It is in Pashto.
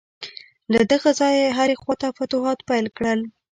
له دغه ځایه یې هرې خواته فتوحات پیل کړل.